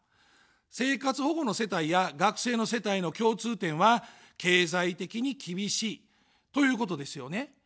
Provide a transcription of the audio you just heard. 生活保護の世帯や学生の世帯の共通点は経済的に厳しいということですよね。